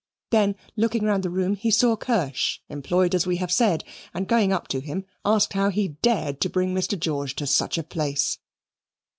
Then, looking round the room, he saw Kirsch employed as we have said, and going up to him, asked how he dared to bring Mr. George to such a place.